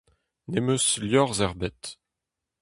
Ne'm eus liorzh ebet.